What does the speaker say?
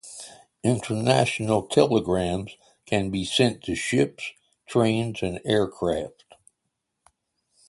International telegrams can be sent to ships, trains, and aircraft.